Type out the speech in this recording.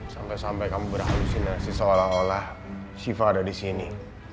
sampai sampai kamu berhalusinasi seolah olah siva ada disini